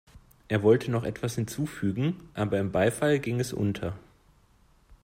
Er wollte noch etwas hinzufügen, aber im Beifall ging es unter.